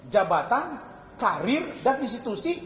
jabatan karir dan institusi